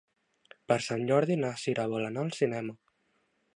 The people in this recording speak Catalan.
Per Sant Jordi na Cira vol anar al cinema.